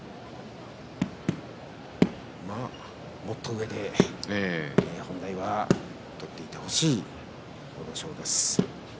もっと上で本来は取ってほしい阿武咲です。